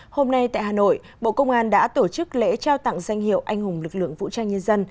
hôm nay tại hà nội bộ công an đã tổ chức lễ trao tặng danh hiệu anh hùng lực lượng vũ trang nhân dân